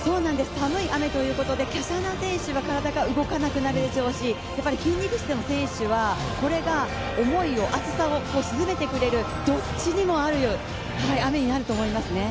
寒い雨ということで、きゃしゃな選手は体が動かなくなるでしょうし、筋肉質の選手はこれが思いを、熱さを沈めてくれるどっちにもなるような雨になるかと思います。